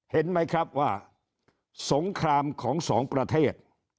เห็นไหมครับว่าสงครามของสองประเทศ